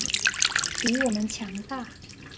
比我们强大